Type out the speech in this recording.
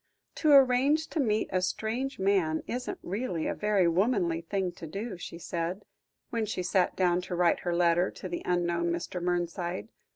"To arrange to meet a strange man isn't really a very womanly thing to do," she said, when she sat down to write her letter to the unknown Mr. Mernside.